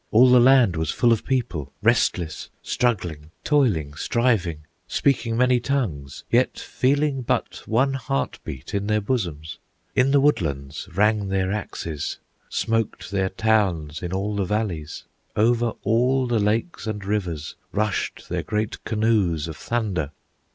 All the land was full of people, Restless, struggling, toiling, striving, Speaking many tongues, yet feeling But one heart beat in their bosoms. In the woodlands rang their axes, Smoked their towns in all the valleys, Over all the lakes and rivers Rushed their great canoes of thunder.